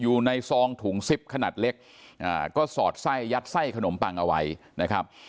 ซองถุงซิปขนาดเล็กอ่าก็สอดไส้ยัดไส้ขนมปังเอาไว้นะครับ